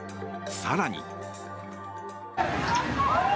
更に。